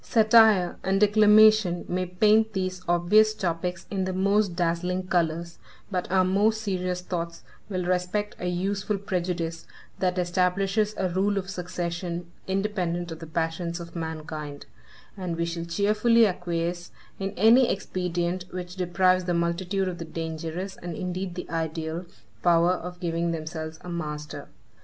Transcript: Satire and declamation may paint these obvious topics in the most dazzling colors, but our more serious thoughts will respect a useful prejudice, that establishes a rule of succession, independent of the passions of mankind; and we shall cheerfully acquiesce in any expedient which deprives the multitude of the dangerous, and indeed the ideal, power of giving themselves a master.